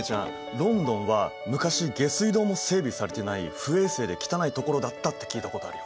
ロンドンは昔下水道も整備されていない不衛生で汚い所だったって聞いたことあるよ。